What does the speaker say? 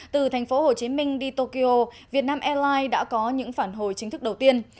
từ thành phố hồ chí minh đi tokyo vietnam airlines đã có những phản hồi chính thức đầu tiên